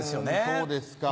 そうですか。